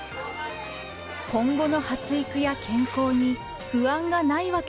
今後の発育や健康に不安がないわけではありません。